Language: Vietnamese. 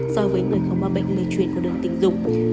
so với người không mắc bệnh lây truyền qua đường tình dục